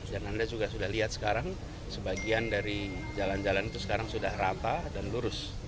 dan anda juga sudah lihat sekarang sebagian dari jalan jalan itu sekarang sudah rata dan lurus